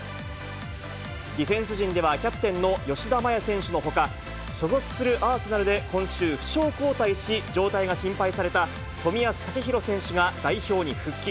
ディフェンス陣ではキャプテンの吉田麻也選手のほか、所属するアーセナルで、今週負傷交代し、状態が心配された冨安健洋選手が代表に復帰。